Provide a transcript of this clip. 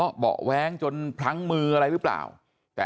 แล้วก็ยัดลงถังสีฟ้าขนาด๒๐๐ลิตร